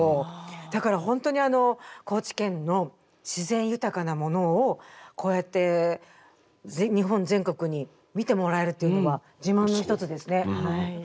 だから本当にあの高知県の自然豊かなものをこうやって日本全国に見てもらえるっていうのは自慢の一つですね。